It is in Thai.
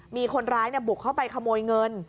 มีคนร้ายบุกเข้าไปขโมยเงิน